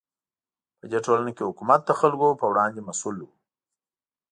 په دې ټولنه کې حکومت د خلکو په وړاندې مسوول و.